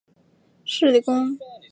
是工业上制取氰化氢的方法之一。